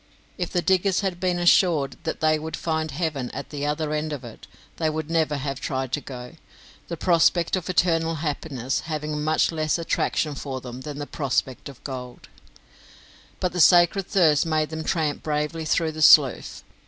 If the diggers had been assured that they would find heaven at the other end of it, they would never have tried to go, the prospect of eternal happiness having a much less attraction for them than the prospect of gold; but the sacred thirst made them tramp bravely through the slough.